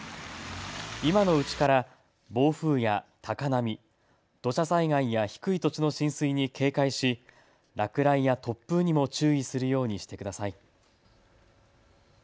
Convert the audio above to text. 今のうちから暴風や高波、土砂災害や低い土地の浸水に警戒し、落雷や突風にも注意するようにしてください。